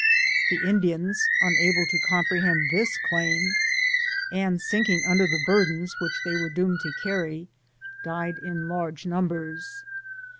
The Indians, unable to comprehend this claim, and sinking under the burdens which they were doomed to carry, died in great numbers.